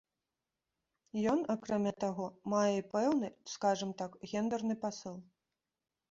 Ён, акрамя таго, мае і пэўны, скажам так, гендэрны пасыл.